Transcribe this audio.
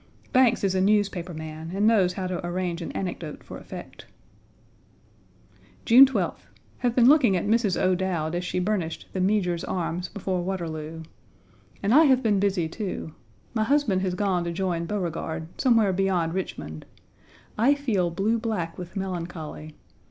Banks is a newspaper man and knows how to arrange an anecdote for effect. June 12th. Have been looking at Mrs. O'Dowd as she burnished the "Meejor's arrms" before Waterloo. And I have been busy, too. My husband has gone to join Beauregard, somewhere beyond Richmond. I feel blue black with melancholy.